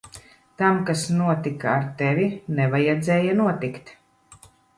Tam, kas notika ar tevi, nevajadzēja notikt.